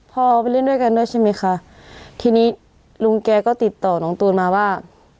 พอไปเล่นด้วยกันด้วยใช่ไหมคะทีนี้ลุงแกก็ติดต่อน้องตูนมาว่า